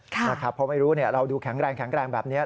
เพราะไม่รู้เราดูแข็งแรงแข็งแรงแบบนี้